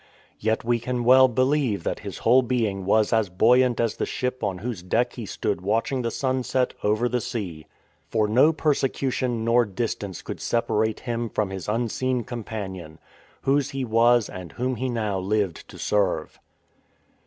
Yet we can well believe that his whole being was as buoyant as the ship on whose deck he stood watching the sunset over the sea ; for no persecution nor distance could separate him from his Unseen Companion — Whose he was and Whom he now lived to serve.